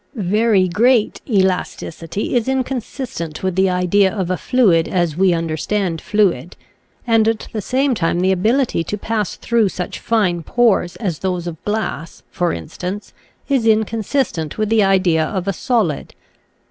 Very great elasticity is inconsistent with the idea of a fluid as we understand fluid; and at the same time the ability to pass through such fine pores as those of glass, for instance, is inconsistent with the idea of a solid.